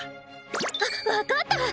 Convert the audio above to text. あっ分かった！